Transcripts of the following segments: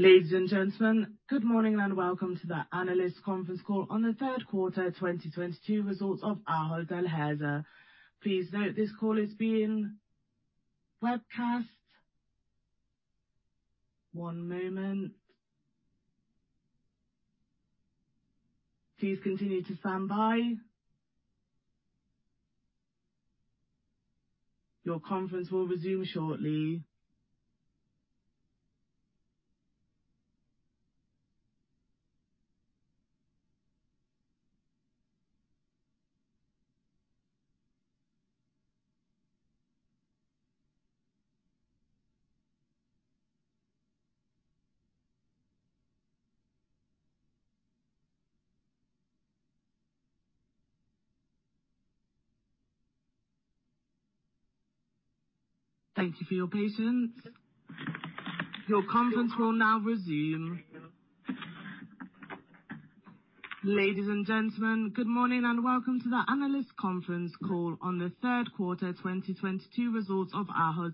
Ladies and gentlemen, good morning and welcome to the analyst conference call on the Q3 2022 results of Ahold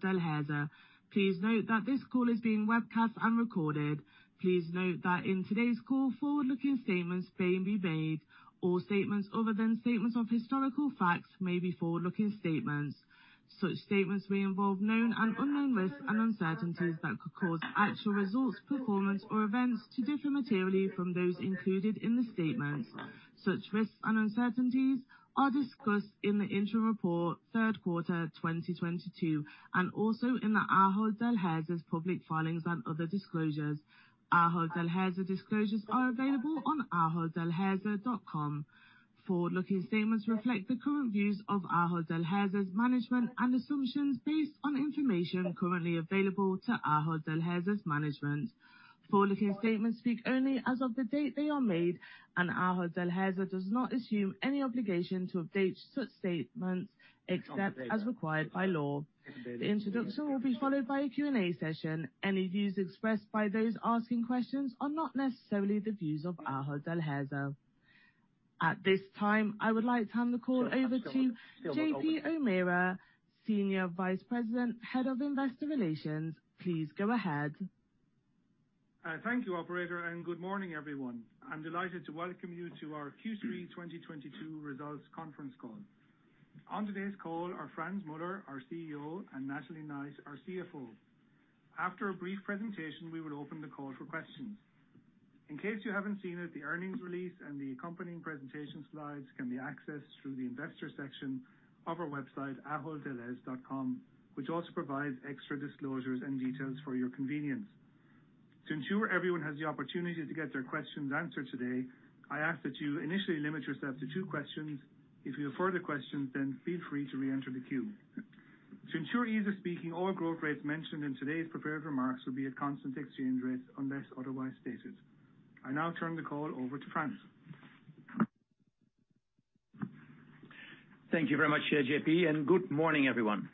Delhaize. Please note that this call is being webcast and recorded. Please note that in today's call, forward-looking statements may be made. All statements other than statements of historical facts may be forward-looking statements. Such statements may involve known and unknown risks and uncertainties that could cause actual results, performance or events to differ materially from those included in the statements. Such risks and uncertainties are discussed in the interim report Q3 2022 and also in the Ahold Delhaize's public filings and other disclosures. Ahold Delhaize's disclosures are available on aholddelhaize.com. Forward-looking statements reflect the current views of Ahold Delhaize's management and assumptions based on information currently available to Ahold Delhaize's management. Forward-looking statements speak only as of the date they are made, and Ahold Delhaize does not assume any obligation to update such statements except as required by law. The introduction will be followed by a Q&A session. Any views expressed by those asking questions are not necessarily the views of Ahold Delhaize. At this time, I would like to hand the call over to John-Paul O'Meara, Senior Vice President, Head of Investor Relations. Please go ahead. Thank you operator and good morning everyone. I'm delighted to welcome you to our Q3 2022 results conference call. On today's call are Frans Muller, our CEO, and Natalie Knight, our CFO. After a brief presentation, we will open the call for questions. In case you haven't seen it, the earnings release and the accompanying presentation slides can be accessed through the investor section of our website, aholddelhaize.com, which also provides extra disclosures and details for your convenience. To ensure everyone has the opportunity to get their questions answered today, I ask that you initially limit yourself to two questions. If you have further questions, then feel free to re-enter the queue. To ensure ease of speaking, all growth rates mentioned in today's prepared remarks will be at constant exchange rates unless otherwise stated. I now turn the call over to Frans. Thank you very much, JP, and good morning everyone.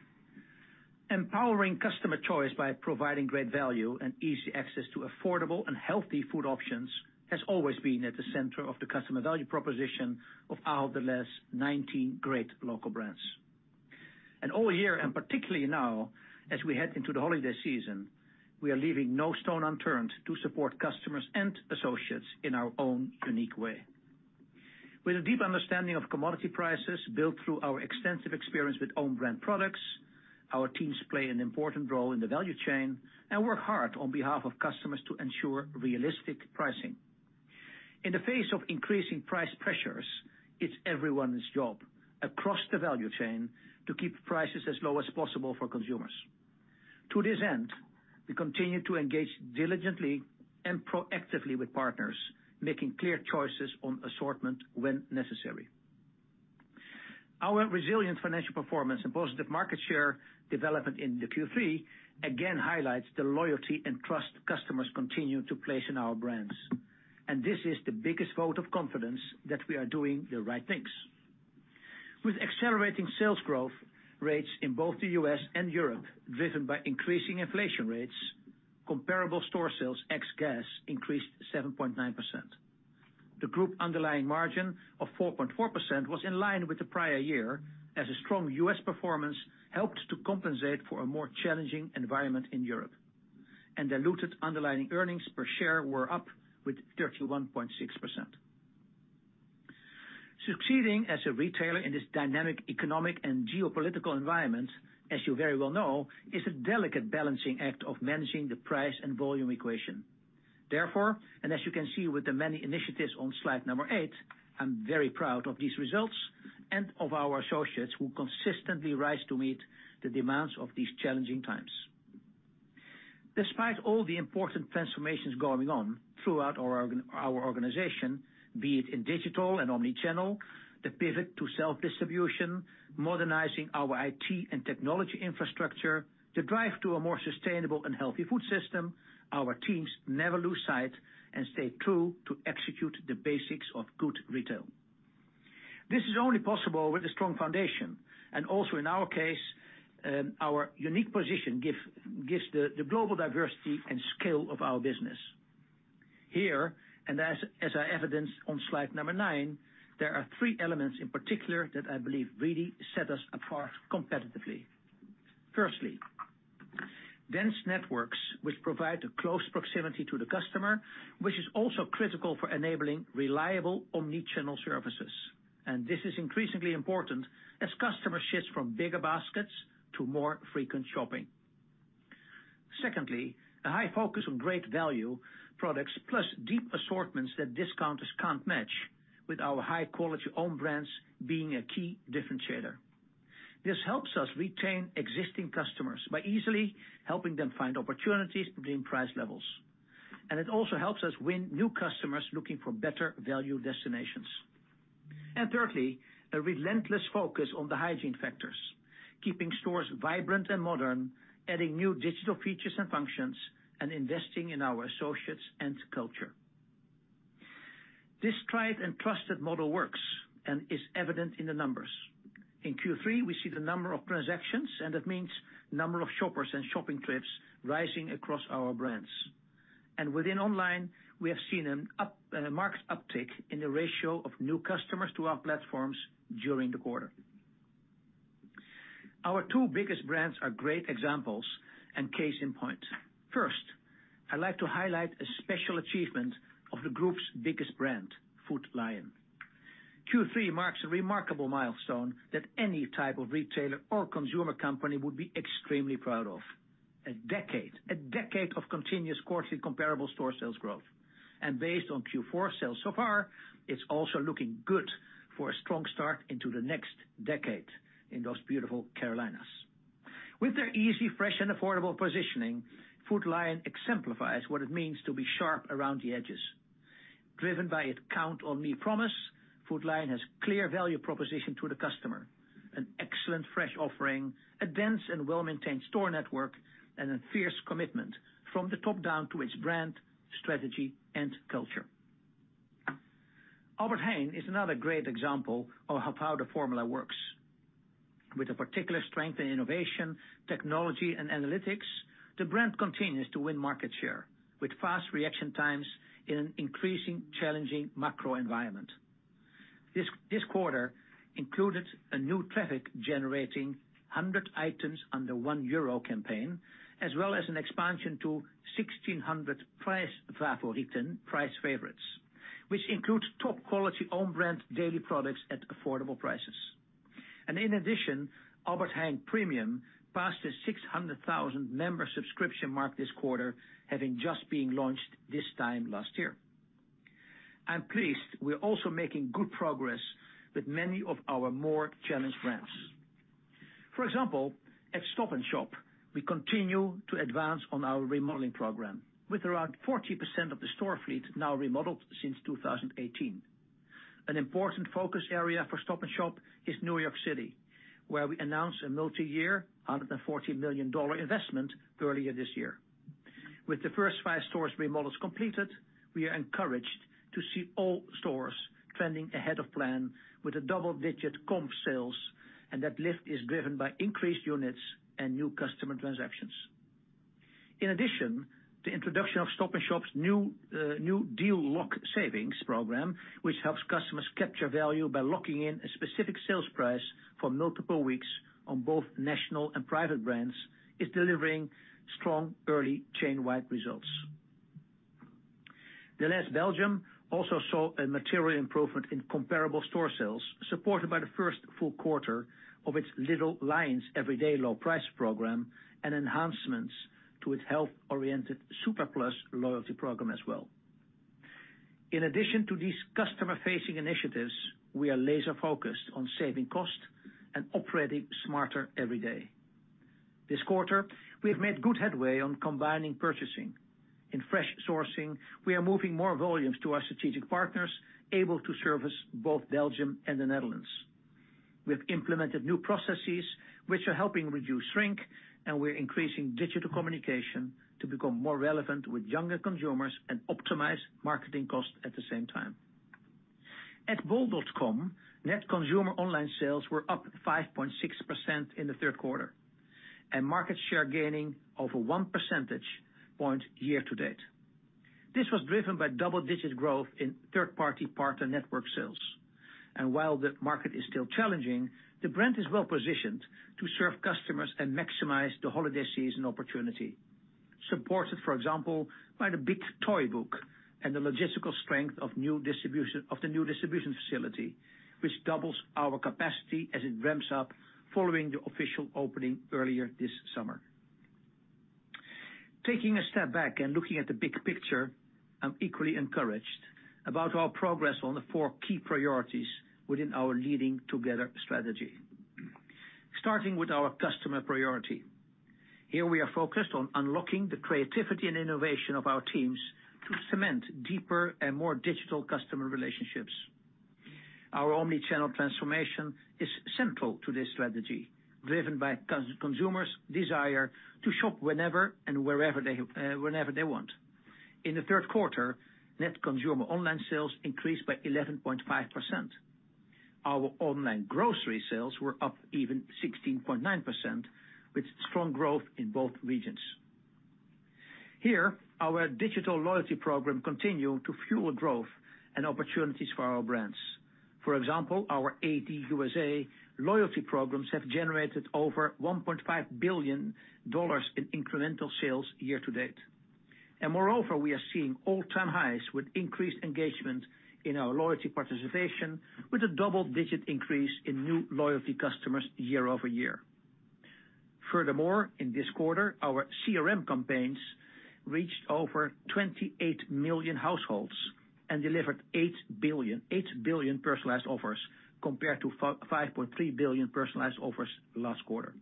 Empowering customer choice by providing great value and easy access to affordable and healthy food options has always been at the center of the customer value proposition of Ahold Delhaize 19 great local brands. All year, and particularly now as we head into the holiday season, we are leaving no stone unturned to support customers and associates in our own unique way. With a deep understanding of commodity prices built through our extensive experience with own brand products, our teams play an important role in the value chain and work hard on behalf of customers to ensure realistic pricing. In the face of increasing price pressures, it's everyone's job across the value chain to keep prices as low as possible for consumers. To this end, we continue to engage diligently and proactively with partners, making clear choices on assortment when necessary. Our resilient financial performance and positive market share development in the Q3 again highlights the loyalty and trust customers continue to place in our brands. This is the biggest vote of confidence that we are doing the right things. With accelerating sales growth rates in both the U.S. And Europe driven by increasing inflation rates, comparable store sales ex gas increased 7.9%. The group underlying margin of 4.4% was in line with the prior year as a strong U.S. performance helped to compensate for a more challenging environment in Europe. Diluted underlying earnings per share were up with 31.6%. Succeeding as a retailer in this dynamic economic and geopolitical environment, as you very well know, is a delicate balancing act of managing the price and volume equation. Therefore, and as you can see with the many initiatives on slide number eight, I'm very proud of these results and of our associates who consistently rise to meet the demands of these challenging times. Despite all the important transformations going on throughout our organization, be it in digital and omni-channel, the pivot to self-distribution, modernizing our IT and technology infrastructure, the drive to a more sustainable and healthy food system, our teams never lose sight and stay true to execute the basics of good retail. This is only possible with a strong foundation and also in our case, our unique position gives the global diversity and scale of our business. Here, as I evidenced on slide number nine, there are three elements in particular that I believe really set us apart competitively. Firstly, dense networks which provide a close proximity to the customer, which is also critical for enabling reliable omni-channel services. This is increasingly important as customer shifts from bigger baskets to more frequent shopping. Secondly, a high focus on great value products, plus deep assortments that discounters can't match, with our high-quality own brands being a key differentiator. This helps us retain existing customers by easily helping them find opportunities between price levels. It also helps us win new customers looking for better value destinations. Thirdly, a relentless focus on the hygiene factors, keeping stores vibrant and modern, adding new digital features and functions, and investing in our associates and culture. This tried and trusted model works and is evident in the numbers. In Q3, we see the number of transactions, and that means number of shoppers and shopping trips, rising across our brands. Within online, we have seen a marked uptick in the ratio of new customers to our platforms during the quarter. Our two biggest brands are great examples and case in point. First, I'd like to highlight a special achievement of the group's biggest brand, Food Lion. Q3 marks a remarkable milestone that any type of retailer or consumer company would be extremely proud of, a decade of continuous quarterly comparable store sales growth. Based on Q4 sales so far, it's also looking good for a strong start into the next decade in those beautiful Carolinas. With their easy, fresh, and affordable positioning, Food Lion exemplifies what it means to be sharp around the edges. Driven by its Count on Me promise, Food Lion has clear value proposition to the customer, an excellent fresh offering, a dense and well-maintained store network, and a fierce commitment from the top down to its brand, strategy, and culture. Albert Heijn is another great example of how the formula works. With a particular strength in innovation, technology, and analytics, the brand continues to win market share, with fast reaction times in an increasingly challenging macro environment. This quarter included a new traffic-generating 100 items under €1 campaign, as well as an expansion to 1,600 Prijsfavorieten, price favorites, which includes top quality own brand daily products at affordable prices. In addition, Albert Heijn Premium passed the 600,000-member subscription mark this quarter, having just been launched this time last year. I'm pleased we're also making good progress with many of our more challenged brands. For example, at Stop & Shop, we continue to advance on our remodeling program, with around 40% of the store fleet now remodeled since 2018. An important focus area for Stop & Shop is New York City, where we announced a multiyear, $140 million investment earlier this year. With the first five stores remodels completed, we are encouraged to see all stores trending ahead of plan with a double-digit comp sales, and that lift is driven by increased units and new customer transactions. In addition, the introduction of Stop & Shop's new Deal Lock savings program, which helps customers capture value by locking in a specific sales price for multiple weeks on both national and private brands, is delivering strong early chain-wide results. Delhaize Belgium also saw a material improvement in comparable store sales, supported by the first full quarter of its Little Lions Everyday Low Price program and enhancements to its health-oriented SuperPlus loyalty program as well. In addition to these customer-facing initiatives, we are laser-focused on saving costs and operating smarter every day. This quarter, we have made good headway on combining purchasing. In fresh sourcing, we are moving more volumes to our strategic partners able to service both Belgium and the Netherlands. We've implemented new processes which are helping reduce shrink, and we're increasing digital communication to become more relevant with younger consumers and optimize marketing costs at the same time. At bol.com, net consumer online sales were up 5.6% in the Q3, and market share gaining over one percentage point year to date. This was driven by double-digit growth in third-party partner network sales. While the market is still challenging, the brand is well positioned to serve customers and maximize the holiday season opportunity, supported, for example, by the Big Toy Book and the logistical strength of the new distribution facility, which doubles our capacity as it ramps up following the official opening earlier this summer. Taking a step back and looking at the big picture, I'm equally encouraged about our progress on the four key priorities within our Leading Together strategy. Starting with our customer priority. Here we are focused on unlocking the creativity and innovation of our teams to cement deeper and more digital customer relationships. Our omni-channel transformation is central to this strategy, driven by consumer's desire to shop whenever and wherever they want. In the Q3, net consumer online sales increased by 11.5%. Our online grocery sales were up even 16.9%, with strong growth in both regions. Here, our digital loyalty program continued to fuel growth and opportunities for our brands. For example, our AD USA loyalty programs have generated over $1.5 billion in incremental sales year to date. Moreover, we are seeing all-time highs with increased engagement in our loyalty participation with a double-digit increase in new loyalty customers year-over-year. Furthermore, in this quarter, our CRM campaigns reached over 28 million households and delivered 8 billion personalized offers compared to 5.3 billion personalized offers last quarter.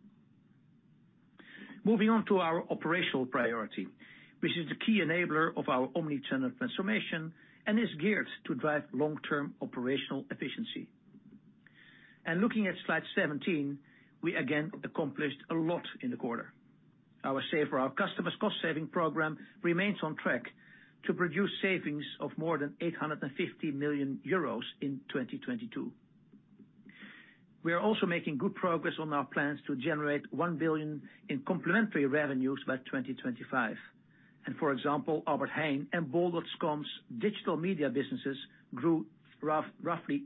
Moving on to our operational priority, which is the key enabler of our omni-channel transformation and is geared to drive long-term operational efficiency. Looking at slide 17, we again accomplished a lot in the quarter. Our Save for Our Customers cost saving program remains on track to produce savings of more than 850 million euros in 2022. We are also making good progress on our plans to generate 1 billion in complementary revenues by 2025. For example, Albert Heijn and bol.com's digital media businesses grew roughly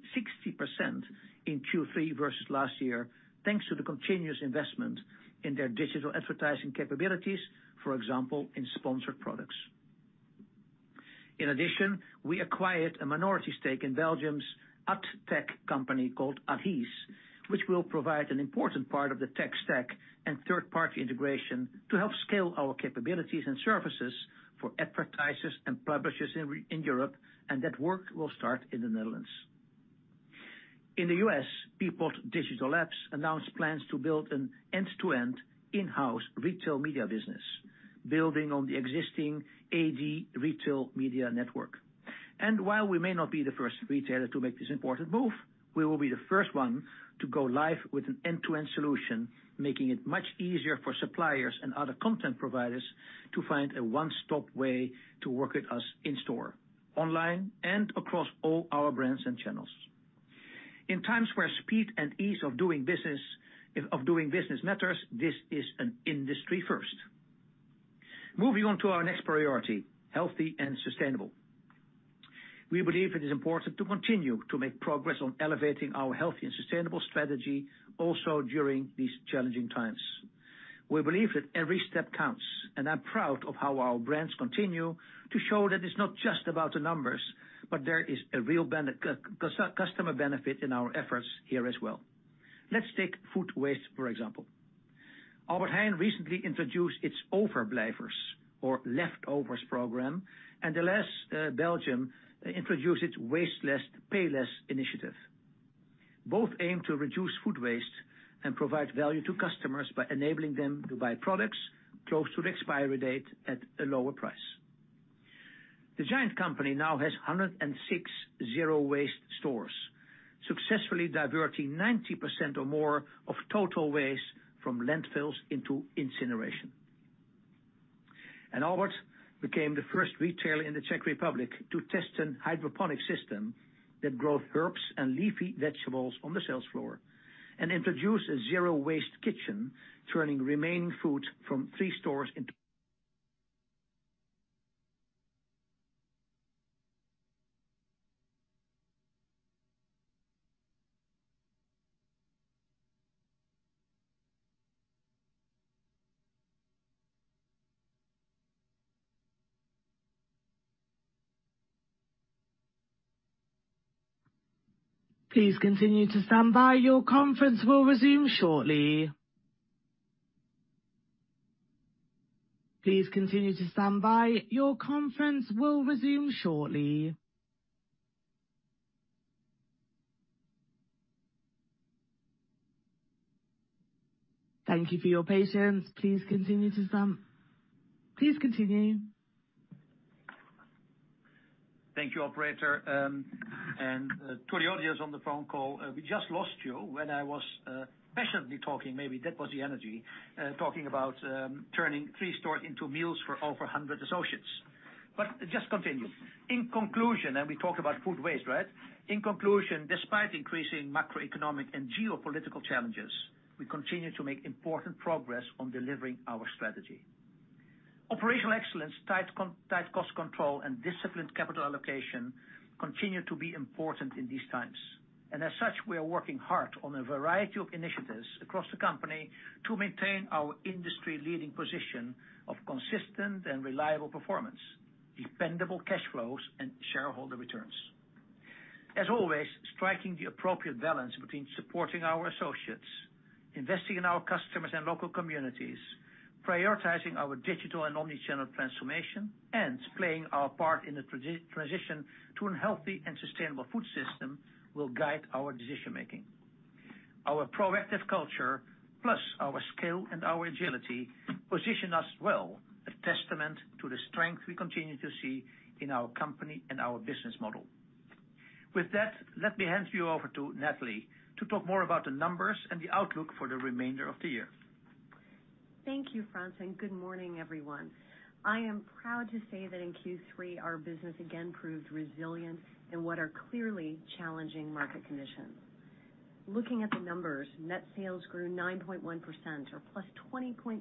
60% in Q3 versus last year, thanks to the continuous investment in their digital advertising capabilities, for example, in sponsored products. In addition, we acquired a minority stake in Belgium's ad tech company called Adhese, which will provide an important part of the tech stack and third-party integration to help scale our capabilities and services for advertisers and publishers in Europe, and that work will start in the Netherlands. In the US, Peapod Digital Labs announced plans to build an end-to-end in-house retail media business, building on the existing AD Retail Media network. While we may not be the first retailer to make this important move, we will be the first one to go live with an end-to-end solution, making it much easier for suppliers and other content providers to find a one-stop way to work with us in store, online, and across all our brands and channels. In times where speed and ease of doing business matters, this is an industry first. Moving on to our next priority, healthy and sustainable. We believe it is important to continue to make progress on elevating our healthy and sustainable strategy also during these challenging times. We believe that every step counts, and I'm proud of how our brands continue to show that it's not just about the numbers, but there is a real customer benefit in our efforts here as well. Let's take food waste, for example. Albert Heijn recently introduced its Overblijvers or Leftovers program, and Delhaize Belgium introduced its Waste Less, Pay Less initiative. Both aim to reduce food waste and provide value to customers by enabling them to buy products close to the expiry date at a lower price. The Giant Company now has 106 zero-waste stores, successfully diverting 90% or more of total waste from landfills into incineration. Albert became the first retailer in the Czech Republic to test a hydroponic system that grows herbs and leafy vegetables on the sales floor and introduce a zero-waste kitchen, turning remaining food from three stores into Please continue to stand by. Your conference will resume shortly. Thank you for your patience. Please continue. Thank you, operator. To the audience on the phone call, we just lost you when I was passionately talking, maybe that was the energy, talking about turning three stores into meals for over 100 associates. Just continue. In conclusion, we talked about food waste, right? In conclusion, despite increasing macroeconomic and geopolitical challenges, we continue to make important progress on delivering our strategy. Operational excellence, tight cost control, and disciplined capital allocation continue to be important in these times. As such, we are working hard on a variety of initiatives across the company to maintain our industry-leading position of consistent and reliable performance, dependable cash flows, and shareholder returns. As always, striking the appropriate balance between supporting our associates, investing in our customers and local communities, prioritizing our digital and omni-channel transformation, and playing our part in the transition to a healthy and sustainable food system will guide our decision-making. Our proactive culture plus our scale and our agility position us well, a testament to the strength we continue to see in our company and our business model. With that, let me hand you over to Natalie to talk more about the numbers and the outlook for the remainder of the year. Thank you, Frans, and good morning, everyone. I am proud to say that in Q3, our business again proved resilient in what are clearly challenging market conditions. Looking at the numbers, net sales grew 9.1% or +20.8%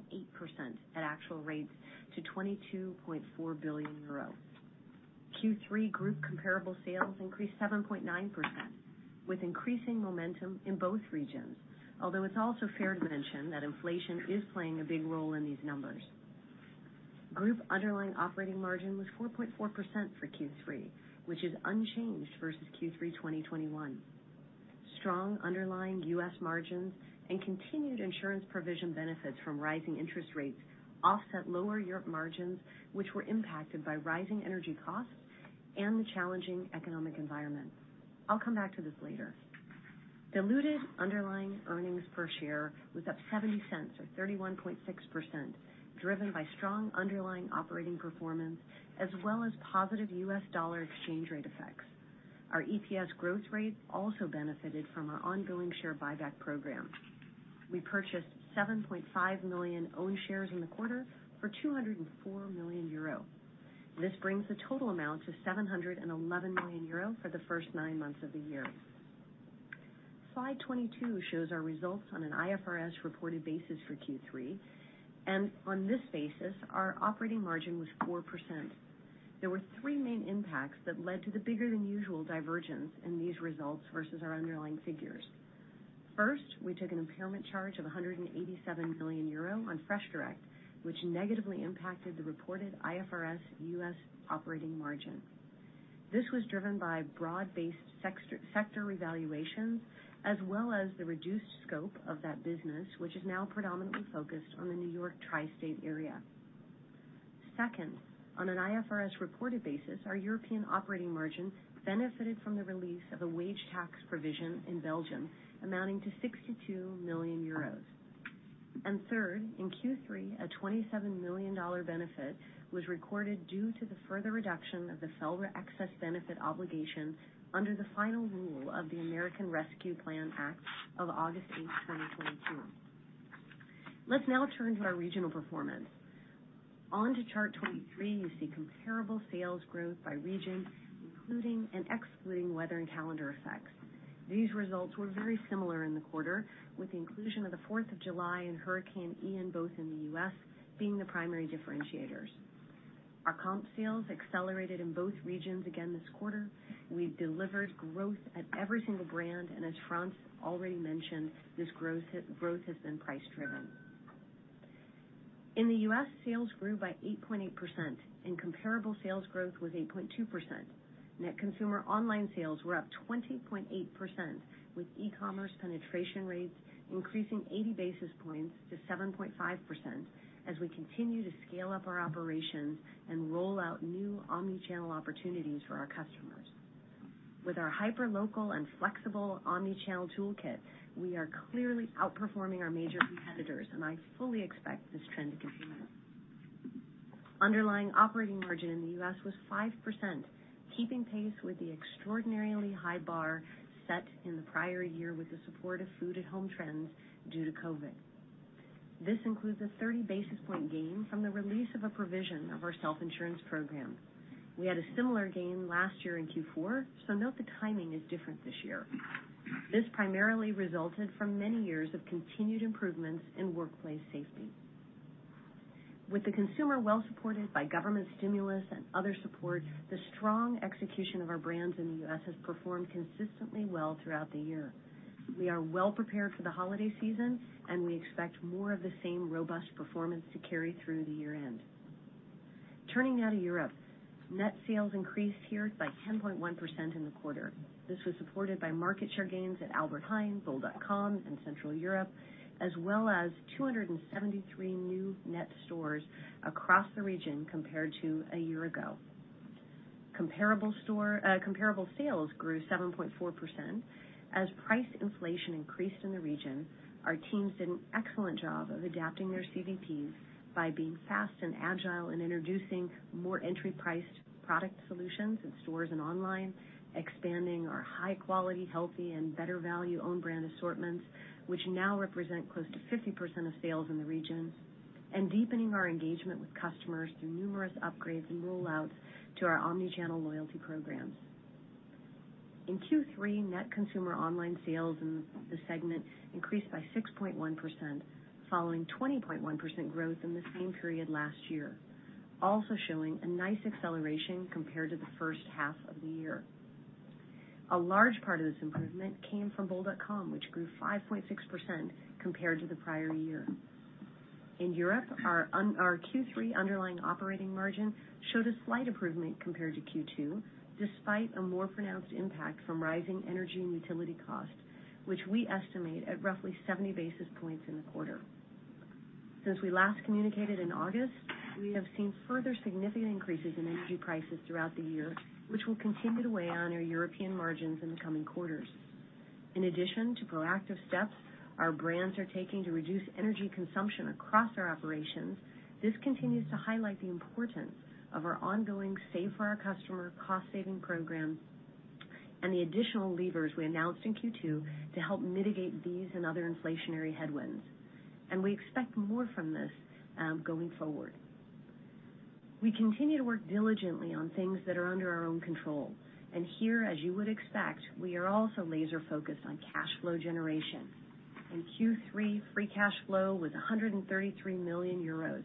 at actual rates to 22.4 billion euro. Q3 group comparable sales increased 7.9% with increasing momentum in both regions. Although it's also fair to mention that inflation is playing a big role in these numbers. Group underlying operating margin was 4.4% for Q3, which is unchanged versus Q3 2021. Strong underlying U.S. margins and continued insurance provision benefits from rising interest rates offset lower Europe margins, which were impacted by rising energy costs and the challenging economic environment. I'll come back to this later. Diluted underlying earnings per share was up €0.70 or 31.6%, driven by strong underlying operating performance as well as positive U.S. dollar exchange rate effects. Our EPS growth rate also benefited from our ongoing share buyback program. We purchased 7.5 million own shares in the quarter for 204 million euro. This brings the total amount to 711 million euro for the first nine months of the year. Slide 22 shows our results on an IFRS reported basis for Q3, and on this basis, our operating margin was 4%. There were three main impacts that led to the bigger than usual divergence in these results versus our underlying figures. First, we took an impairment charge of 187 million euro on FreshDirect, which negatively impacted the reported IFRS U.S. operating margin. This was driven by broad-based sector revaluations as well as the reduced scope of that business, which is now predominantly focused on the New York Tri-State area. Second, on an IFRS reported basis, our European operating margin benefited from the release of a wage tax provision in Belgium amounting to 62 million euros. Third, in Q3, a $27 million benefit was recorded due to the further reduction of the SERP excess benefit obligation under the final rule of the American Rescue Plan Act of August 8, 2022. Let's now turn to our regional performance. Onto chart 23, you see comparable sales growth by region, including and excluding weather and calendar effects. These results were very similar in the quarter, with the inclusion of the fourth of July and Hurricane Ian both in the U.S. being the primary differentiators. Our comp sales accelerated in both regions again this quarter. We've delivered growth at every single brand, and as Frans already mentioned, this growth has been price-driven. In the U.S., sales grew by 8.8%, and comparable sales growth was 8.2%. Net consumer online sales were up 20.8%, with e-commerce penetration rates increasing 80 basis points to 7.5% as we continue to scale up our operations and roll out new omni-channel opportunities for our customers. With our hyperlocal and flexible omni-channel toolkit, we are clearly outperforming our major competitors, and I fully expect this trend to continue. Underlying operating margin in the U.S. was 5%, keeping pace with the extraordinarily high bar set in the prior year with the support of food at home trends due to COVID. This includes a 30 basis points gain from the release of a provision of our self-insurance program. We had a similar gain last year in Q4, so note the timing is different this year. This primarily resulted from many years of continued improvements in workplace safety. With the consumer well supported by government stimulus and other support, the strong execution of our brands in the U.S. has performed consistently well throughout the year. We are well prepared for the holiday season, and we expect more of the same robust performance to carry through to year-end. Turning now to Europe. Net sales increased here by 10.1% in the quarter. This was supported by market share gains at Albert Heijn, bol.com and Central Europe, as well as 273 new net stores across the region compared to a year ago. Comparable store comparable sales grew 7.4%. As price inflation increased in the region, our teams did an excellent job of adapting their CVPs by being fast and agile in introducing more entry-priced product solutions in stores and online, expanding our high-quality, healthy and better value own brand assortments, which now represent close to 50% of sales in the region, and deepening our engagement with customers through numerous upgrades and rollouts to our omni-channel loyalty programs. In Q3, net consumer online sales in the segment increased by 6.1%, following 20.1% growth in the same period last year, also showing a nice acceleration compared to the H1 of the year. A large part of this improvement came from bol.com, which grew 5.6% compared to the prior year. In Europe, our Q3 underlying operating margin showed a slight improvement compared to Q2, despite a more pronounced impact from rising energy and utility costs, which we estimate at roughly 70 basis points in the quarter. Since we last communicated in August, we have seen further significant increases in energy prices throughout the year, which will continue to weigh on our European margins in the coming quarters. In addition to proactive steps our brands are taking to reduce energy consumption across our operations, this continues to highlight the importance of our ongoing Save for Our Customer cost-saving programs. The additional levers we announced in Q2 to help mitigate these and other inflationary headwinds. We expect more from this going forward. We continue to work diligently on things that are under our own control. Here, as you would expect, we are also laser-focused on cash flow generation. In Q3, free cash flow was 133 million euros.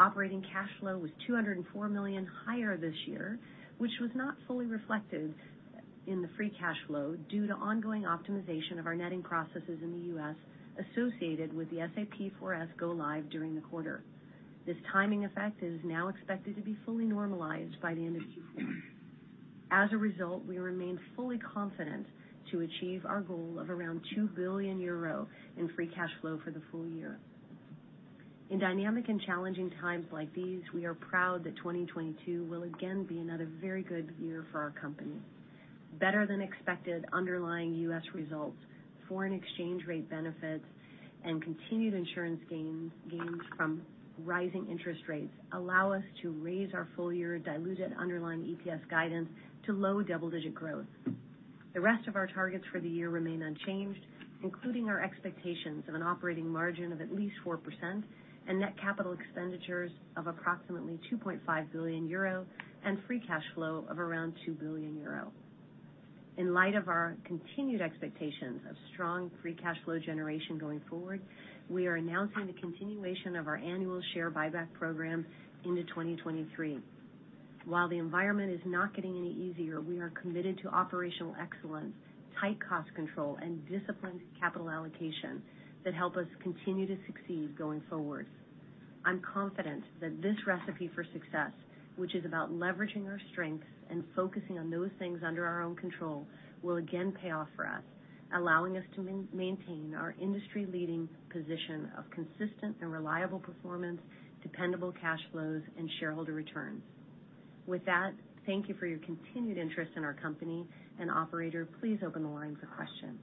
Operating cash flow was 204 million higher this year, which was not fully reflected in the free cash flow due to ongoing optimization of our netting processes in the U.S. associated with the SAP S/4HANA go live during the quarter. This timing effect is now expected to be fully normalized by the end of Q4. As a result, we remain fully confident to achieve our goal of around 2 billion euro in free cash flow for the full year. In dynamic and challenging times like these, we are proud that 2022 will again be another very good year for our company. Better than expected underlying U.S. results, foreign exchange rate benefits, and continued insurance gains from rising interest rates allow us to raise our full-year diluted underlying EPS guidance to low double-digit growth. The rest of our targets for the year remain unchanged, including our expectations of an operating margin of at least 4% and net capital expenditures of approximately 2.5 billion euro and free cash flow of around 2 billion euro. In light of our continued expectations of strong free cash flow generation going forward, we are announcing the continuation of our annual share buyback program into 2023. While the environment is not getting any easier, we are committed to operational excellence, tight cost control, and disciplined capital allocation that help us continue to succeed going forward. I'm confident that this recipe for success, which is about leveraging our strengths and focusing on those things under our own control, will again pay off for us, allowing us to maintain our industry-leading position of consistent and reliable performance, dependable cash flows, and shareholder returns. With that, thank you for your continued interest in our company. Operator, please open the line for questions.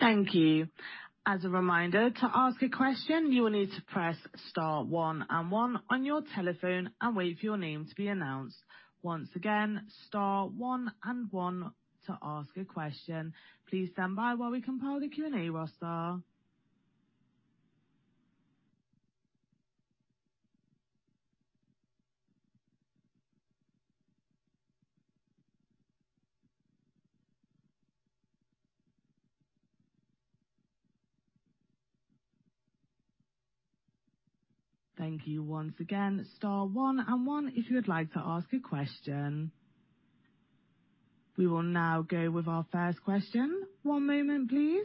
Thank you. As a reminder, to ask a question, you will need to press star one and one on your telephone and wait for your name to be announced. Once again, star one and one to ask a question. Please stand by while we compile the Q&A roster. Thank you once again. Star one and one if you would like to ask a question. We will now go with our first question. One moment, please.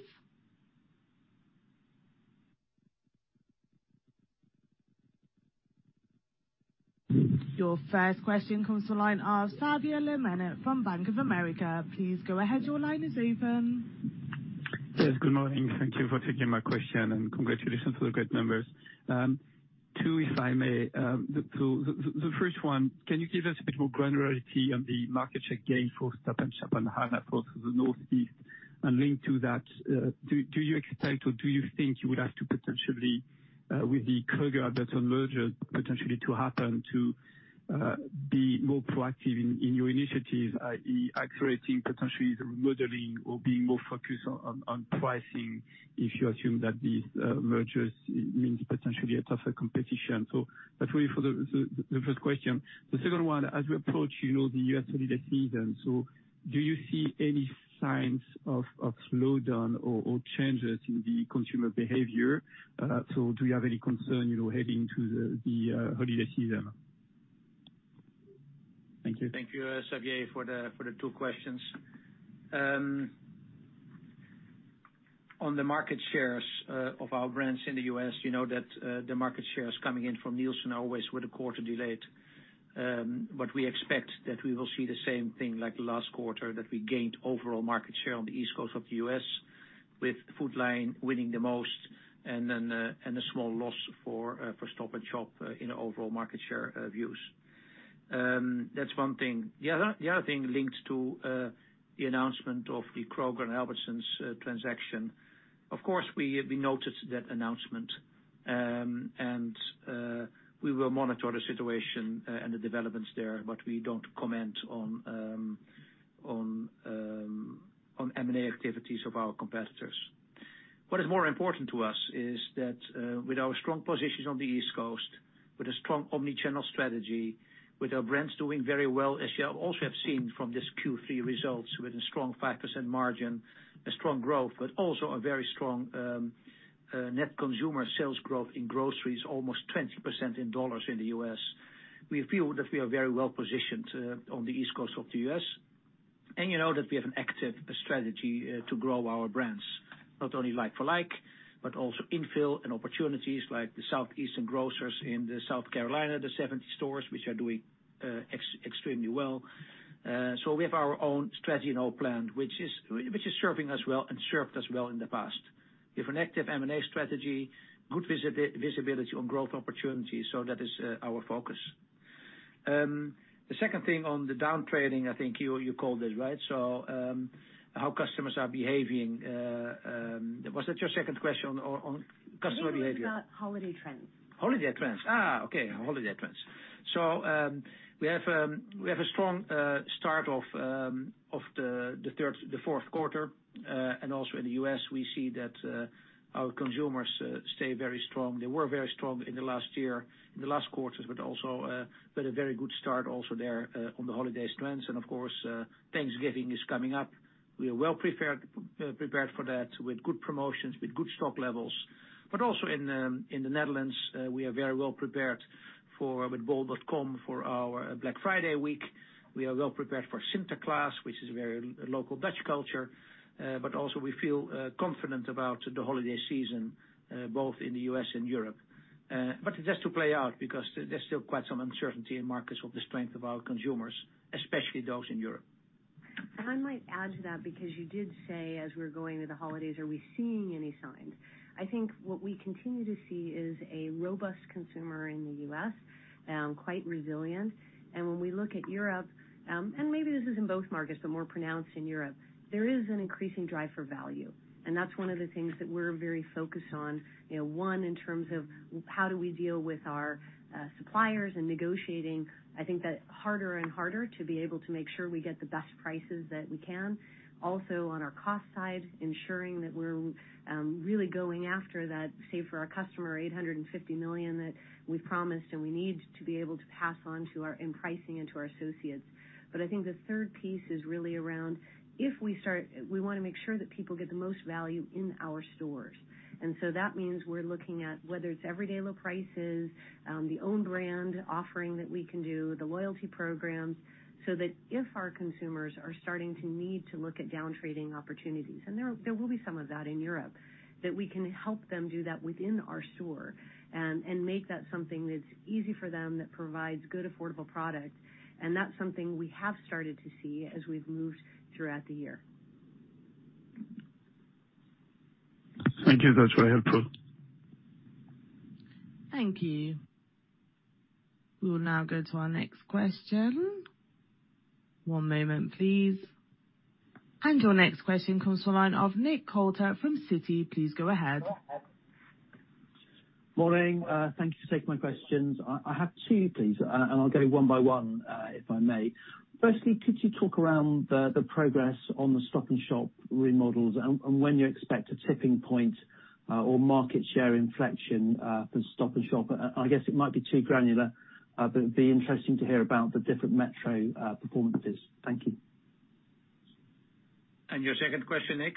Your first question comes to the line of Xavier Le Mené from Bank of America. Please go ahead, your line is open. Yes, good morning. Thank you for taking my question, and congratulations for the great numbers. Two if I may. The first one, can you give us a bit more granularity on the market share gain for Stop & Shop and Hannaford through the Northeast? And linked to that, do you expect or do you think you would have to potentially with the Kroger-Albertsons merger potentially to happen to be more proactive in your initiatives, i.e., accelerating potentially the remodeling or being more focused on pricing if you assume that these mergers means potentially a tougher competition? That's really for the first question. The second one, as we approach, you know, the U.S. holiday season, so do you see any signs of slowdown or changes in the consumer behavior? Do you have any concern, you know, heading to the holiday season? Thank you. Thank you, Xavier, for the two questions. On the market shares of our brands in the U.S., you know that the market shares coming in from Nielsen are always with a quarter delayed. We expect that we will see the same thing like last quarter that we gained overall market share on the East Coast of the U.S., with Food Lion winning the most and then and a small loss for Stop & Shop in overall market share views. That's one thing. The other thing linked to the announcement of the Kroger and Albertsons transaction, of course, we noticed that announcement, and we will monitor the situation and the developments there, but we don't comment on M&A activities of our competitors. What is more important to us is that, with our strong positions on the East Coast, with a strong omni-channel strategy, with our brands doing very well, as you also have seen from this Q3 results, with a strong 5% margin, a strong growth, but also a very strong, net consumer sales growth in groceries, almost 20% in dollars in the U.S. We feel that we are very well positioned, on the East Coast of the U.S. You know that we have an active strategy, to grow our brands, not only like for like, but also infill and opportunities like the Southeastern Grocers in the South Carolina, the 70 stores which are doing, extremely well. We have our own strategy and our plan, which is serving us well and served us well in the past. We have an active M&A strategy, good visibility on growth opportunities, so that is our focus. The second thing on the downtrading, I think you called it, right? How customers are behaving was that your second question on customer behavior? It was about holiday trends. Holiday trends. Okay, holiday trends. We have a strong start of the Q4. In the U.S., we see that our consumers stay very strong. They were very strong in the last year, in the last quarters, but also we had a very good start also there on the holiday strengths. Of course, Thanksgiving is coming up. We are well prepared for that with good promotions, with good stock levels. In the Netherlands, we are very well prepared for Black Friday week with bol.com. We are well prepared for Sinterklaas, which is very local Dutch culture. We feel confident about the holiday season both in the U.S. and Europe. It has to play out because there's still quite some uncertainty in markets with the strength of our consumers, especially those in Europe. I might add to that, because you did say as we're going to the holidays, are we seeing any signs? I think what we continue to see is a robust consumer in the U.S., quite resilient. When we look at Europe, and maybe this is in both markets, but more pronounced in Europe, there is an increasing drive for value. That's one of the things that we're very focused on. You know, one, in terms of how do we deal with our suppliers and negotiating, I think that harder and harder to be able to make sure we get the best prices that we can. On our cost side, ensuring that we're really going after that Save for Our Customer 850 million that we promised and we need to be able to pass on in pricing and to our associates. I think the third piece is really around we want to make sure that people get the most value in our stores. That means we're looking at whether it's everyday low prices, the own brand offering that we can do, the loyalty programs, so that if our consumers are starting to need to look at down-trading opportunities, and there will be some of that in Europe, that we can help them do that within our store and make that something that's easy for them, that provides good, affordable product. That's something we have started to see as we've moved throughout the year. Thank you. That's very helpful. Thank you. We will now go to our next question. One moment, please. Your next question comes to a line of Nick Coulter from Citi. Please go ahead. Morning. Thank you for taking my questions. I have two, please, and I'll go one by one, if I may. Firstly, could you talk around the progress on the Stop & Shop remodels and when you expect a tipping point or market share inflection for Stop & Shop? I guess it might be too granular, but it'd be interesting to hear about the different metro performances. Thank you. Your second question, Nick?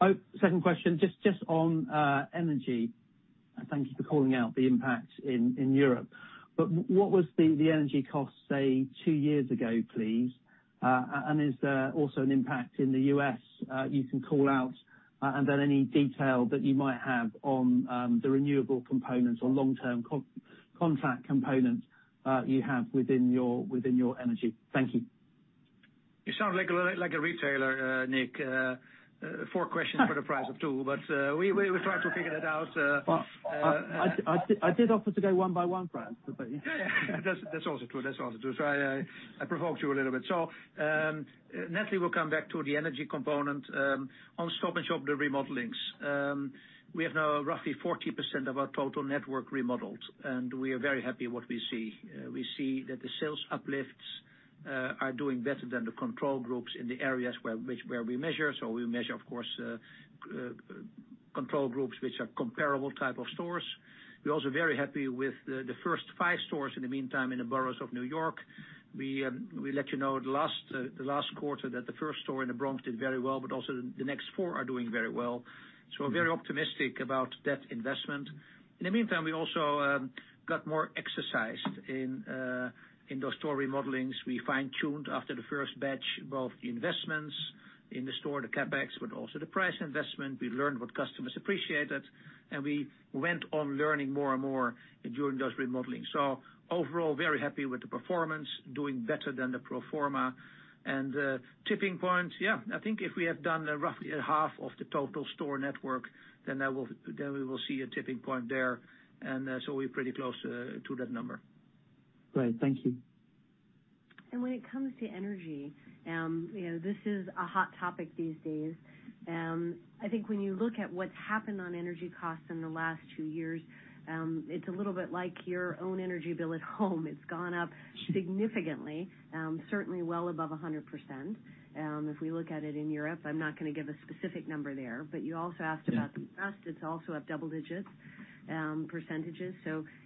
Oh, second question, just on energy. Thank you for calling out the impact in Europe. What was the energy cost, say, two years ago, please? Is there also an impact in the U.S. you can call out, and then any detail that you might have on the renewable components or long-term contract components you have within your energy. Thank you. You sound like a retailer, Nick. Four questions for the price of two, but we will try to figure that out. I did offer to go one by one, Frans, to be fair. Yeah. That's also true. I provoked you a little bit. Natalie will come back to the energy component on Stop & Shop, the remodelings. We have now roughly 40% of our total network remodeled, and we are very happy what we see. We see that the sales uplifts are doing better than the control groups in the areas where we measure. We measure, of course, control groups which are comparable type of stores. We're also very happy with the first five stores in the meantime, in the boroughs of New York. We let you know the last quarter that the first store in the Bronx did very well, but also the next four are doing very well. We're very optimistic about that investment. In the meantime, we also got more experienced in those store remodelings. We fine-tuned after the first batch, both the investments in the store, the CapEx, but also the price investment. We learned what customers appreciated, and we went on learning more and more during those remodelings. Overall, very happy with the performance, doing better than the pro forma. Tipping point, yeah, I think if we have done roughly half of the total store network, then we will see a tipping point there. We're pretty close to that number. Great. Thank you. When it comes to energy, you know, this is a hot topic these days. I think when you look at what's happened on energy costs in the last two years, it's a little bit like your own energy bill at home. It's gone up significantly, certainly well above 100%. If we look at it in Europe, I'm not gonna give a specific number there, but you also asked about the cost. It's also up double digits percentages.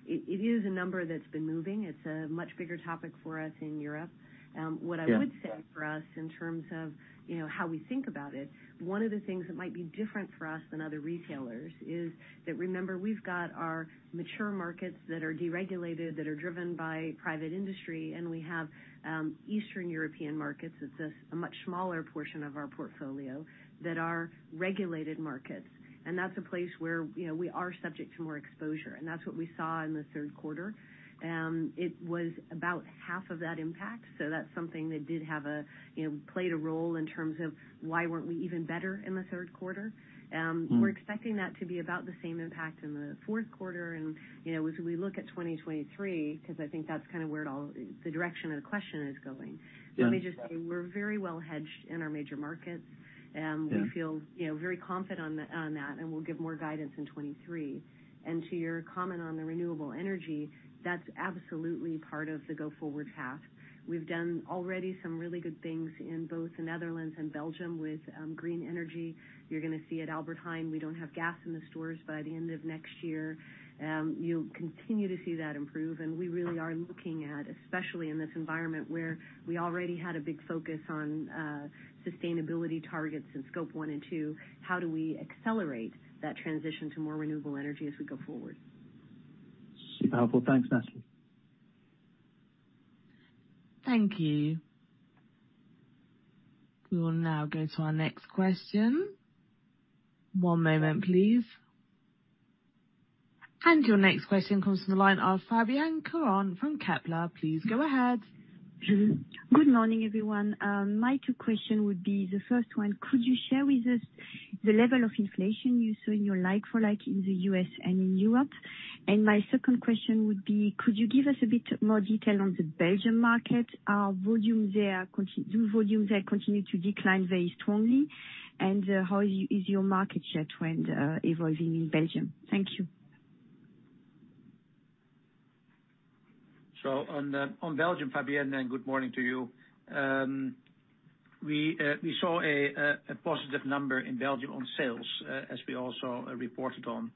It is a number that's been moving. It's a much bigger topic for us in Europe. What I would say for us in terms of, you know, how we think about it, one of the things that might be different for us than other retailers is that, remember, we've got our mature markets that are deregulated, that are driven by private industry, and we have Eastern European markets. It's a much smaller portion of our portfolio that are regulated markets. That's a place where, you know, we are subject to more exposure. That's what we saw in the Q3. It was about half of that impact. That's something that did play a role in terms of why weren't we even better in the Q3. We're expecting that to be about the same impact in the Q4. You know, as we look at 2023, because I think that's kinda where it all, the direction of the question is going. Let me just say we're very well hedged in our major markets, and we feel, you know, very confident on that, and we'll give more guidance in 2023. To your comment on the renewable energy, that's absolutely part of the go-forward path. We've done already some really good things in both the Netherlands and Belgium with green energy. You're gonna see at Albert Heijn, we don't have gas in the stores by the end of next year. You'll continue to see that improve. We really are looking at, especially in this environment where we already had a big focus on sustainability targets in Scope 1 and 2, how do we accelerate that transition to more renewable energy as we go forward. Super helpful. Thanks, Natalie. Thank you. We will now go to our next question. One moment please. Your next question comes from the line of Fabienne Caron from Kepler. Please go ahead. Good morning, everyone. My two questions would be, the first one, could you share with us the level of inflation you saw in your like-for-like in the U.S. and in Europe? My second question would be, could you give us a bit more detail on the Belgian market? Does volume there continue to decline very strongly? How is your market share trend evolving in Belgium? Thank you. On Belgium, Fabienne, and good morning to you. We saw a positive number in Belgium on sales, as we also reported on.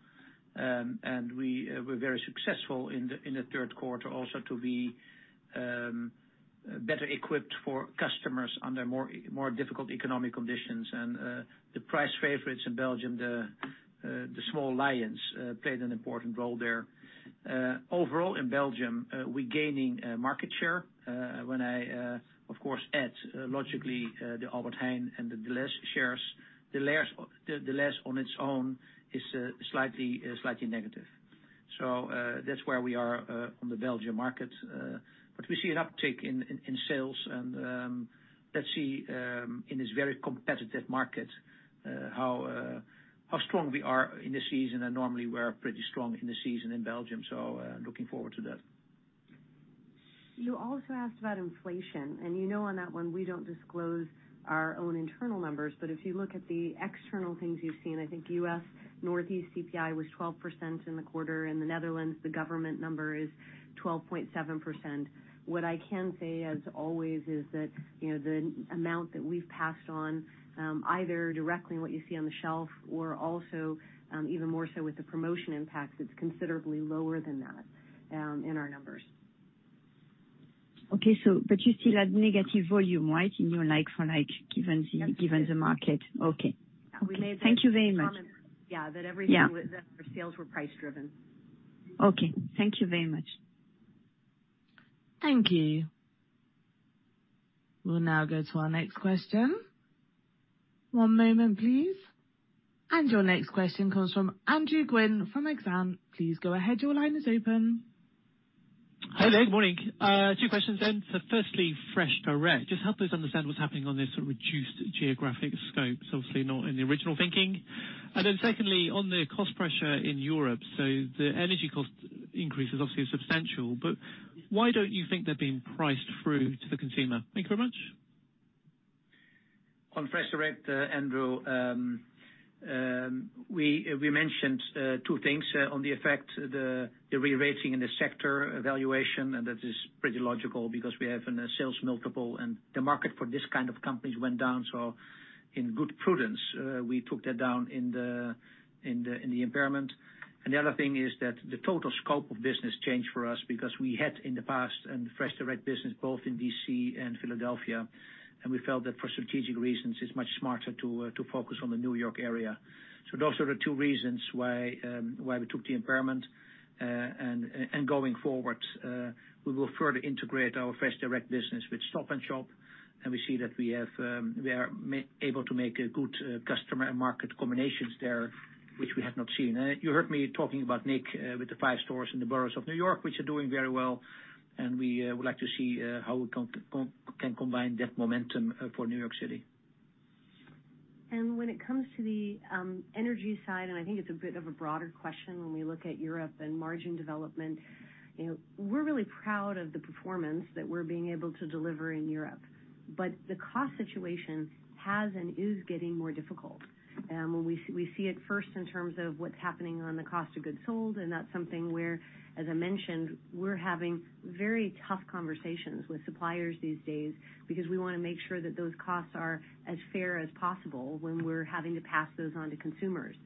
We were very successful in the Q3 also to be better equipped for customers under more difficult economic conditions. The Prijsfavorieten in Belgium, the Little Lions, played an important role there. Overall in Belgium, we're gaining market share, when I, of course add, logically, the Albert Heijn and the Delhaize shares. Delhaize on its own is slightly negative. That's where we are on the Belgium market. We see an uptick in sales and let's see in this very competitive market how strong we are in the season. Normally we are pretty strong in the season in Belgium, looking forward to that. You also asked about inflation, and you know, on that one, we don't disclose our own internal numbers. If you look at the external things you've seen, I think U.S. Northeast CPI was 12% in the quarter. In the Netherlands, the government number is 12.7%. What I can say, as always, is that, you know, the amount that we've passed on, either directly in what you see on the shelf or also, even more so with the promotion impacts, it's considerably lower than that, in our numbers. Okay, you still had negative volume, right? In your like-for-like, given the market. Yes. Okay. Thank you very much. We made the comment, yeah, that everything. Yeah. That our sales were price driven. Okay. Thank you very much. Thank you. We'll now go to our next question. One moment, please. Your next question comes from Andrew Gwynn from Exane. Please go ahead. Your line is open. Hi there. Good morning. Two questions then. Firstly, FreshDirect. Just help us understand what's happening on this reduced geographic scope, it's obviously not in the original thinking. Secondly, on the cost pressure in Europe. The energy cost increase is obviously substantial, but why don't you think they're being priced through to the consumer? Thank you very much. On FreshDirect, Andrew, we mentioned two things on the effect of the rerating in the sector valuation, and that is pretty logical because we have a sales multiple and the market for this kind of companies went down. In good prudence, we took that down in the impairment. The other thing is that the total scope of business changed for us because we had in the past FreshDirect business both in D.C. and Philadelphia, and we felt that for strategic reasons, it is much smarter to focus on the New York area. Those are the two reasons why we took the impairment. Going forward, we will further integrate our FreshDirect business with Stop & Shop, and we see that we are able to make a good customer and market combinations there, which we have not seen. You heard me talking about Nick with the five stores in the boroughs of New York, which are doing very well, and we would like to see how we can combine that momentum for New York City. When it comes to the energy side, and I think it's a bit of a broader question when we look at Europe and margin development, you know, we're really proud of the performance that we're being able to deliver in Europe. The cost situation has and is getting more difficult. When we see it first in terms of what's happening on the cost of goods sold, and that's something where, as I mentioned, we're having very tough conversations with suppliers these days because we wanna make sure that those costs are as fair as possible when we're having to pass those on to consumers.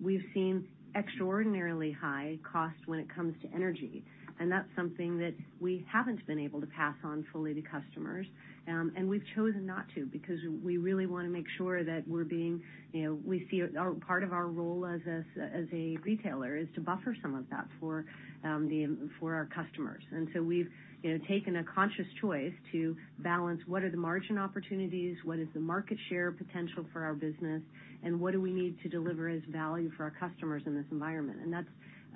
We've seen extraordinarily high costs when it comes to energy, and that's something that we haven't been able to pass on fully to customers. We've chosen not to because we really wanna make sure that we're being, you know, we see our part of our role as a retailer is to buffer some of that for our customers. We've, you know, taken a conscious choice to balance what are the margin opportunities, what is the market share potential for our business, and what do we need to deliver as value for our customers in this environment? That's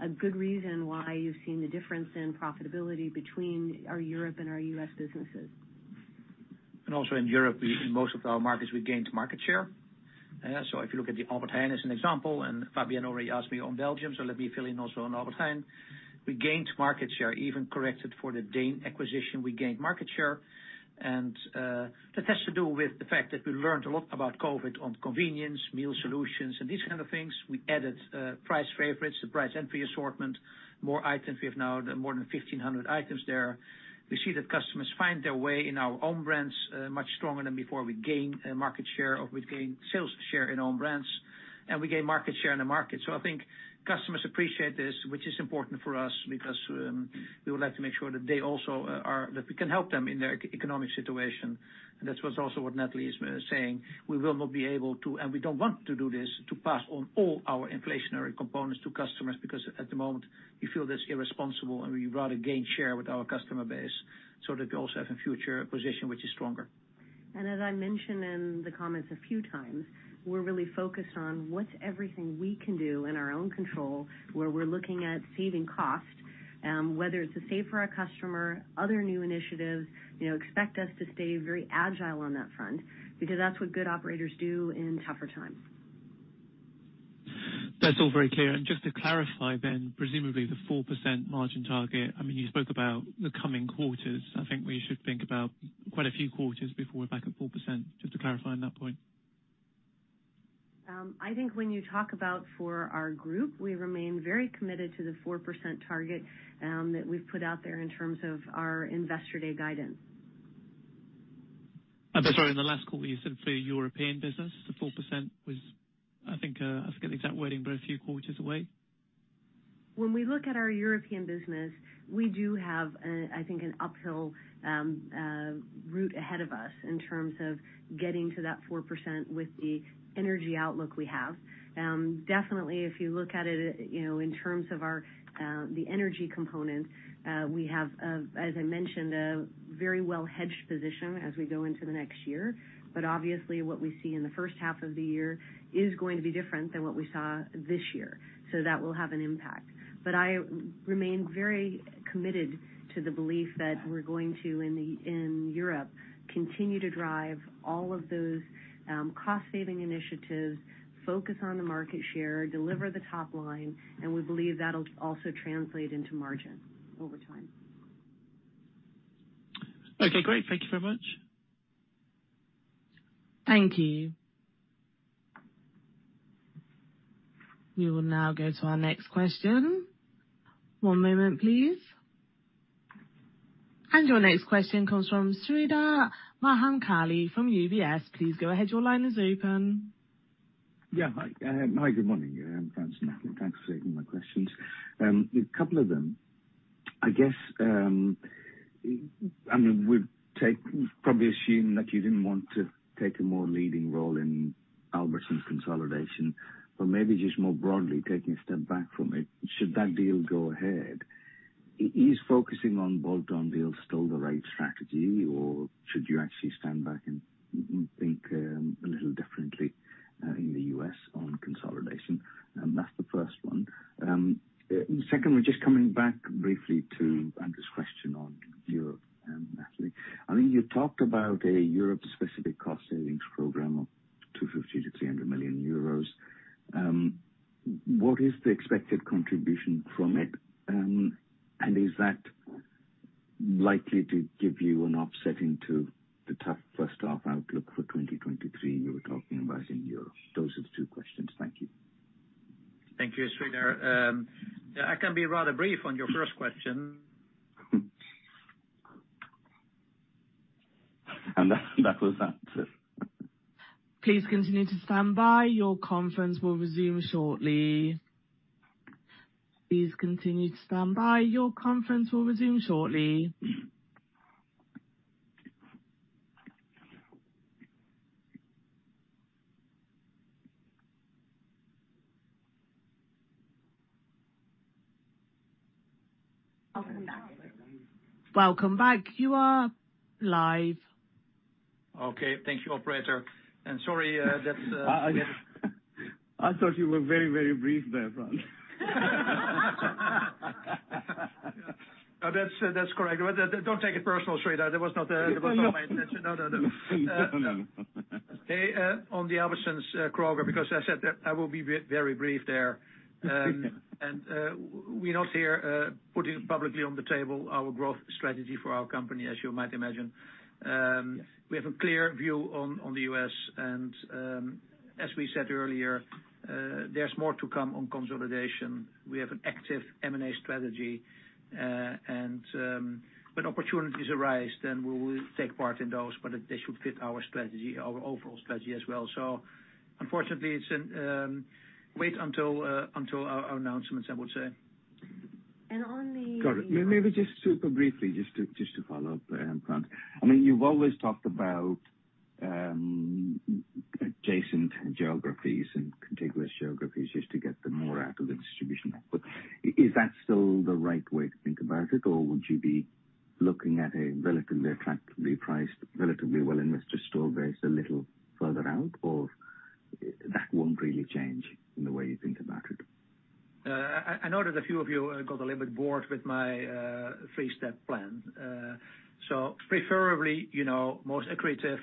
a good reason why you've seen the difference in profitability between our Europe and our U.S. businesses. In Europe, we, in most of our markets, we gained market share. If you look at the Albert Heijn as an example, and Fabienne already asked me on Belgium, so let me fill in also on Albert Heijn. We gained market share even corrected for the Deen acquisition, we gained market share. That has to do with the fact that we learned a lot about COVID on convenience, meal solutions, and these kind of things. We added Prijsfavorieten, the price entry assortment, more items. We have now more than 1,500 items there. We see that customers find their way in our own brands much stronger than before. We gained market share, or we gained sales share in own brands, and we gained market share in the market. I think customers appreciate this, which is important for us because we would like to make sure that they also are that we can help them in their economic situation. That's what's also what Natalie is saying. We will not be able to, and we don't want to do this, to pass on all our inflationary components to customers, because at the moment, we feel that's irresponsible, and we'd rather gain share with our customer base so that we also have a future position which is stronger. As I mentioned in the comments a few times, we're really focused on what's everything we can do in our own control, where we're looking at saving costs, whether it's to Save for Our Customer, other new initiatives, you know, expect us to stay very agile on that front because that's what good operators do in tougher times. That's all very clear. Just to clarify then, presumably the 4% margin target, I mean, you spoke about the coming quarters. I think we should think about quite a few quarters before we're back at 4%, just to clarify on that point. I think when you talk about for our group, we remain very committed to the 4% target that we've put out there in terms of our investor day guidance. I'm sorry. In the last call, you said for the European business, the 4% was, I think, I forget the exact wording, but a few quarters away. When we look at our European business, we do have, I think, an uphill route ahead of us in terms of getting to that 4% with the energy outlook we have. Definitely, if you look at it, you know, in terms of the energy component, we have, as I mentioned, a very well hedged position as we go into the next year. Obviously, what we see in the H1 of the year is going to be different than what we saw this year. That will have an impact. I remain very committed to the belief that we're going to in Europe continue to drive all of those cost-saving initiatives, focus on the market share, deliver the top line, and we believe that'll also translate into margin over time. Okay, great. Thank you very much. Thank you. We will now go to our next question. One moment, please. Your next question comes from Sreedhar Mahamkali from UBS. Please go ahead. Your line is open. Hi, good morning. I'm Frans Muller. Thanks for taking my questions. A couple of them. I guess, I mean, we probably assume that you didn't want to take a more leading role in Albertsons consolidation. Maybe just more broadly, taking a step back from it, should that deal go ahead, is focusing on bolt-on deals still the right strategy, or should you actually stand back and think a little differently, in the U.S. on consolidation? That's the first one. Second, we're just coming back briefly to Andrew's question on Europe, and Natalie. I think you talked about a Europe-specific cost savings program of 250 million-300 million euros. What is the expected contribution from it? Is that likely to give you an offsetting to the tough H1 outlook for 2023 you were talking about in Europe? Those are the two questions. Thank you. Thank you, Sreedhar. I can be rather brief on your first question. That was that. Please continue to stand by. Your conference will resume shortly. Welcome back. You are live. Okay. Thank you, operator. Sorry, that, I thought you were very, very brief there, Frans. That's correct. Don't take it personal, Sreedhar. That was not my intention. Oh, no. No, no. On the Albertsons, Kroger, because I said that I will be very brief there. We're not here putting publicly on the table our growth strategy for our company, as you might imagine. We have a clear view on the U.S., as we said earlier, there's more to come on consolidation. We have an active M&A strategy, when opportunities arise, then we will take part in those, but they should fit our strategy, our overall strategy as well. Unfortunately, it's a wait until our announcements, I would say. And on the- Got it. Maybe just super briefly, just to follow up, Frans. I mean, you've always talked about adjacent geographies and contiguous geographies just to get more out of the distribution network. Is that still the right way to think about it, or would you be looking at a relatively attractively priced, relatively well-invested store base a little further out, or that won't really change in the way you think about it? I know that a few of you got a little bit bored with my three-step plan. Preferably, you know, most accretive,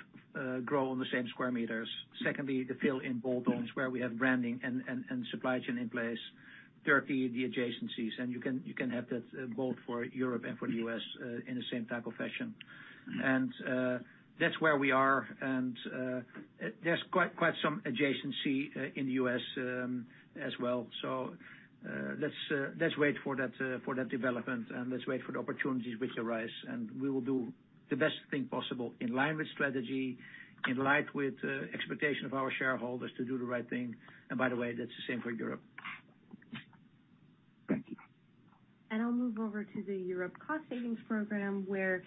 grow on the same square meters. Secondly, to fill in bolt-ons where we have branding and supply chain in place. Thirdly, the adjacencies, and you can have that both for Europe and for the U.S. in the same type of fashion. That's where we are. There's quite some adjacency in the U.S. as well. Let's wait for that development, and let's wait for the opportunities which arise. We will do the best thing possible in line with strategy, in line with expectation of our shareholders to do the right thing. By the way, that's the same for Europe. Move over to the Europe cost savings program where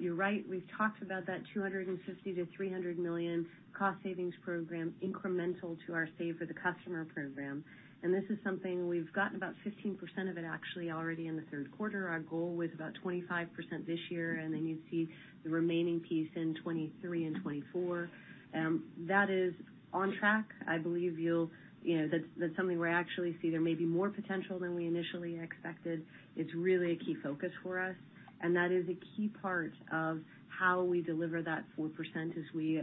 you're right, we've talked about that 250-300 million cost savings program incremental to our Save for the Customer program. This is something we've gotten about 15% of it actually already in the Q3. Our goal was about 25% this year, and then you see the remaining piece in 2023 and 2024. That is on track. I believe you'll, you know, that's something we actually see there may be more potential than we initially expected. It's really a key focus for us, and that is a key part of how we deliver that 4% as we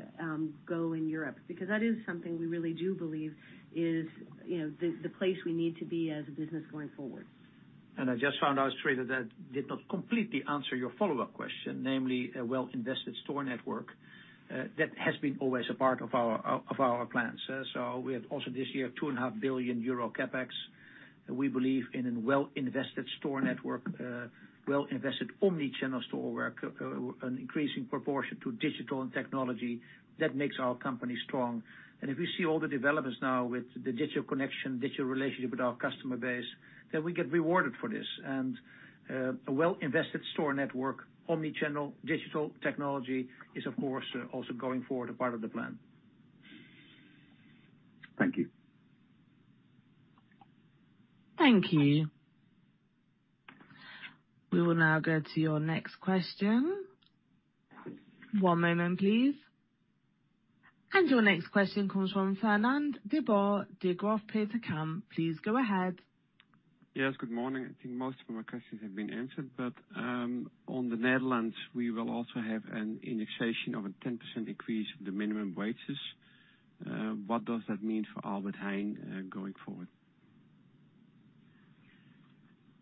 go in Europe, because that is something we really do believe is, you know, the place we need to be as a business going forward. I just found out, Sreedhar, that did not completely answer your follow-up question, namely a well-invested store network. That has been always a part of our plans. We have also this year 2.5 billion euro CapEx. We believe in a well-invested store network, well-invested omni-channel store network, an increasing proportion to digital and technology that makes our company strong. If you see all the developments now with the digital connection, digital relationship with our customer base, then we get rewarded for this. A well-invested store network, omni-channel digital technology is, of course, also going forward a part of the plan. Thank you. Thank you. We will now go to your next question. One moment, please. Your next question comes from Fernand de Boer, Degroof Petercam. Please go ahead. Yes, good morning. I think most of my questions have been answered. On the Netherlands, we will also have an indexation of a 10% increase of the minimum wages. What does that mean for Albert Heijn, going forward?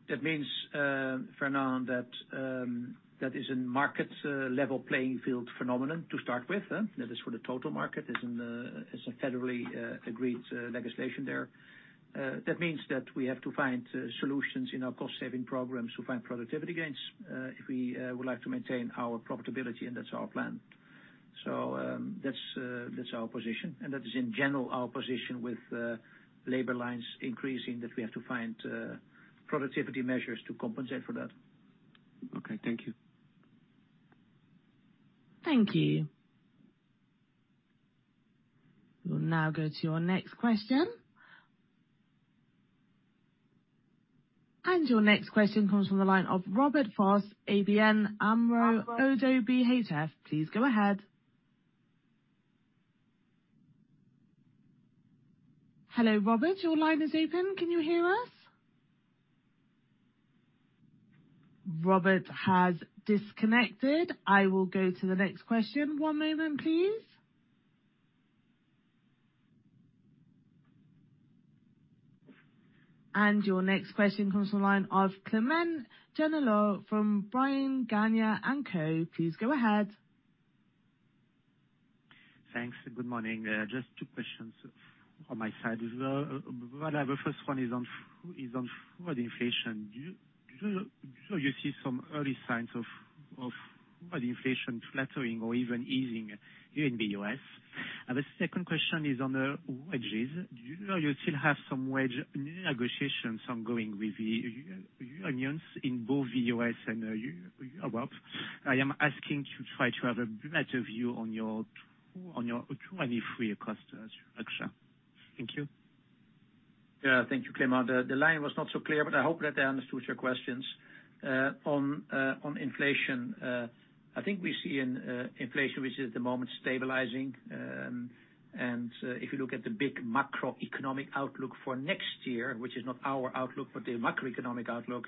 That means, Fernand, that is a market level playing field phenomenon to start with. That is for the total market. It's in, it's a federally agreed legislation there. That means that we have to find solutions in our cost saving programs to find productivity gains, if we would like to maintain our profitability, and that's our plan. That's our position, and that is in general our position with labor lines increasing, that we have to find productivity measures to compensate for that. Okay. Thank you. Thank you. We'll now go to your next question. Your next question comes from the line of Robert Vos, ABN AMRO - ODDO BHF. Please go ahead. Hello, Robert, your line is open. Can you hear us? Robert has disconnected. I will go to the next question. One moment, please. Your next question comes from the line of Clément Genelot from Bryan Garnier & Co. Please go ahead. Thanks. Good morning. Just two questions on my side as well. The first one is on food inflation. Do you see some early signs of food inflation flattening or even easing here in the U.S.? The second question is on the wages. Do you still have some wage negotiations ongoing with the unions in both the US and Europe? I am asking to try to have a better view on your 2023 cost structure. Thank you. Yeah. Thank you, Clément. The line was not so clear, but I hope that I understood your questions. On inflation, I think we see an inflation which is at the moment stabilizing. If you look at the big macroeconomic outlook for next year, which is not our outlook, but the macroeconomic outlook,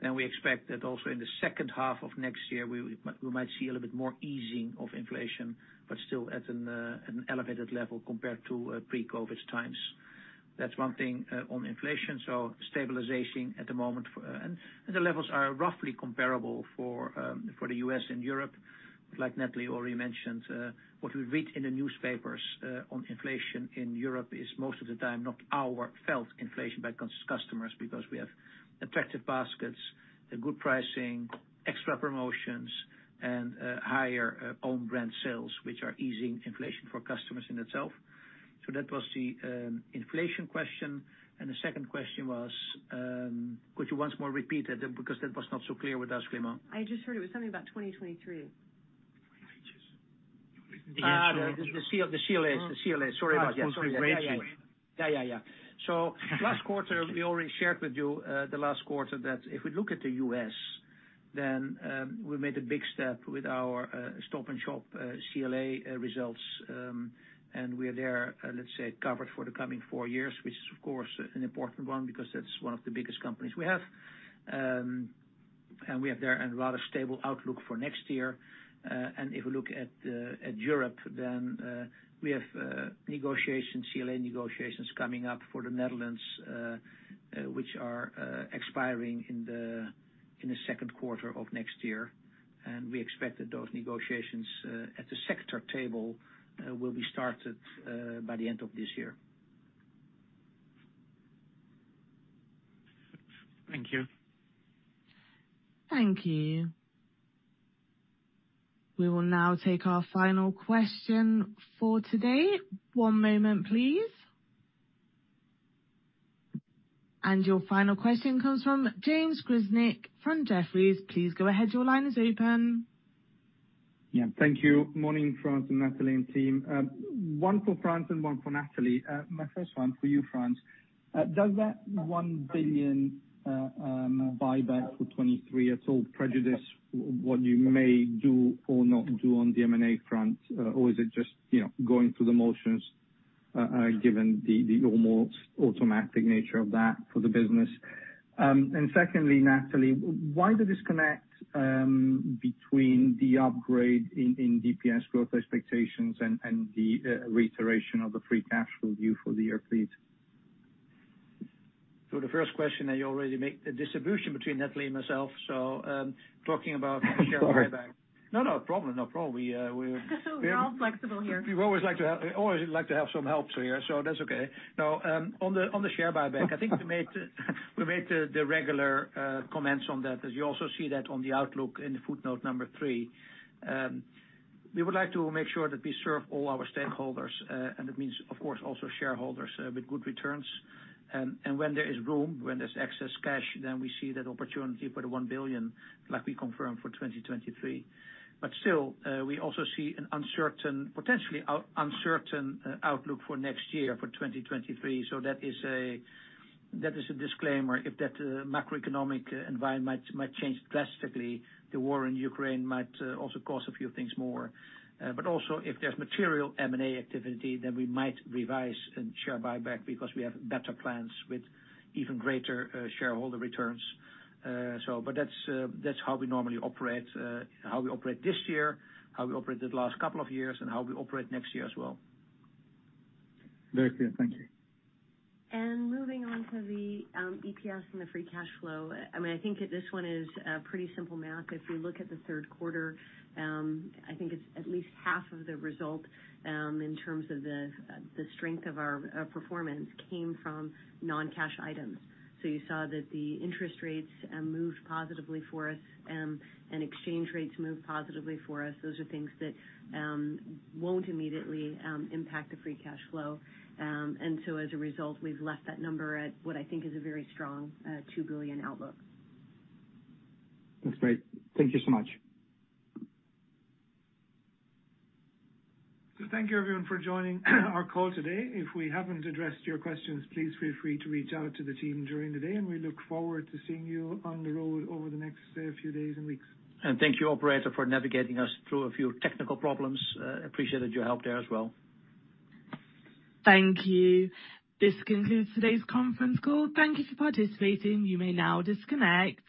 then we expect that also in the H2 of next year, we might see a little bit more easing of inflation, but still at an elevated level compared to pre-COVID times. That's one thing on inflation. Stabilization at the moment. The levels are roughly comparable for the U.S. and Europe. Like Natalie already mentioned, what we read in the newspapers on inflation in Europe is most of the time not our felt inflation by customers because we have attractive baskets, a good pricing, extra promotions, and higher own brand sales, which are easing inflation for customers in itself. That was the inflation question. The second question was, could you once more repeat that? Because that was not so clear with us, Clément. I just heard it was something about 2023. The CLAs. Sorry about that. Yeah. Last quarter, we already shared with you the last quarter that if we look at the U.S., then we made a big step with our Stop & Shop CBA results. We are there, let's say, covered for the coming four years, which is of course an important one because that's one of the biggest companies we have. We have there a rather stable outlook for next year, and if we look at Europe then, we have negotiations, CBA negotiations coming up for the Netherlands, which are expiring in the Q2 of next year. We expect that those negotiations at the sector table will be started by the end of this year. Thank you. Thank you. We will now take our final question for today. One moment please. Your final question comes from James Grzinic from Jefferies. Please go ahead. Your line is open. Thank you. Morning, Frans and Natalie and team. One for Frans and one for Natalie. My first one for you, Frans. Does that 1 billion buyback for 2023 at all prejudice what you may do or not do on the M&A front? Or is it just, you know, going through the motions, given the almost automatic nature of that for the business? Secondly, Natalie, why the disconnect between the upgrade in EPS growth expectations and the reiteration of the free cash flow view for the year, please? The first question, you already make the distribution between Natalie and myself. Talking about Sorry. Share buyback. No, no problem. No problem. We We're all flexible here. We always like to have some help here, so that's okay. No, on the share buyback. I think we made the regular comments on that, as you also see that on the outlook in the footnote number three. We would like to make sure that we serve all our stakeholders. That means, of course, also shareholders with good returns. When there is room, there's excess cash, then we see that opportunity for the 1 billion like we confirmed for 2023. Still, we also see an uncertain, potentially uncertain outlook for next year, for 2023. That is a disclaimer. If that macroeconomic environment might change drastically, the war in Ukraine might also cost a few things more. Also if there's material M&A activity, then we might revise in share buyback because we have better plans with even greater shareholder returns. That's how we normally operate, how we operate this year, how we operated the last couple of years, and how we operate next year as well. Very clear. Thank you. Moving on to the EPS and the free cash flow. I mean, I think this one is pretty simple math. If you look at the Q3, I think it's at least half of the result in terms of the strength of our performance came from non-cash items. You saw that the interest rates moved positively for us, and exchange rates moved positively for us. Those are things that won't immediately impact the free cash flow. As a result, we've left that number at what I think is a very strong 2 billion outlook. That's great. Thank you so much. Thank you everyone for joining our call today. If we haven't addressed your questions, please feel free to reach out to the team during the day, and we look forward to seeing you on the road over the next few days and weeks. Thank you, operator, for navigating us through a few technical problems. Appreciated your help there as well. Thank you. This concludes today's conference call. Thank you for participating. You may now disconnect.